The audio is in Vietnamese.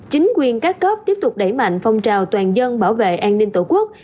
chính quyền các cấp tiếp tục đẩy mạnh phong trào toàn dân bảo vệ an ninh tổ quốc